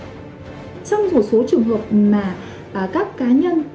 trong số trường hợp mà các cá nhân